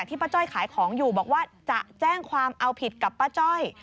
ป้าจ้อยขายของอยู่บอกว่าจะแจ้งความเอาผิดกับป้าจ้อย